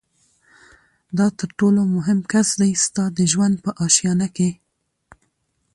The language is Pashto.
دا تر ټولو مهم کس دی ستا د ژوند په آشیانه کي